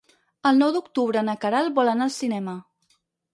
El nou d'octubre na Queralt vol anar al cinema.